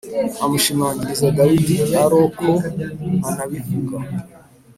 amushimagiriza Dawidi aroko anabivuga